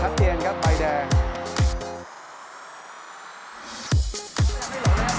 แม่งยิงง่ายกับสองคน